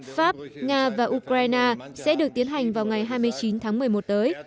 pháp nga và ukraine sẽ được tiến hành vào ngày hai mươi chín tháng một mươi một tới